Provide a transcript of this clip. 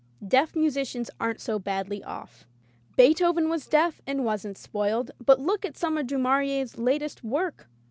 Deaf musicians aren't so badly off. Beethoven was deaf and wasn't spoiled, but look at some of Du Maurier's latest work!